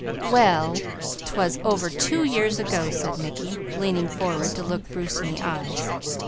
"Well, 'twas over two years ago," said Mickey, leaning forward to look Bruce in the eyes.